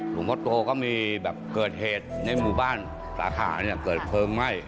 หลวงพ่อโตก็มีแบบเกิดเหตุในหมู่บ้านสาขาเนี่ยเกิดเพลิงไหม้